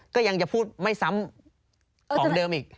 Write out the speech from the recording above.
ก็ยังจะพูดไม่ซ้ำของเดิมอีก